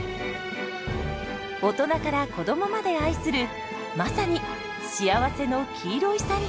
大人から子どもまで愛するまさに「幸せの黄色いサンドイッチ」です。